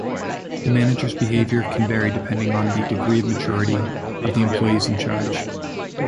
The manager's behavior can vary depending on the "degree of maturity" of the employees in charge.